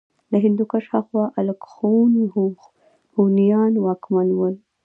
له هندوکش هاخوا الخون هونيان واکمن وو